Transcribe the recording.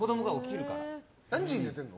何時に寝てるの？